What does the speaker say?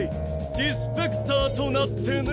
ディスペクターとなってね。